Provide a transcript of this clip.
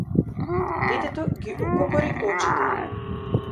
Детето ги ококори очите.